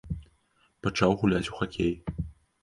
Пачаў гуляць у хакей.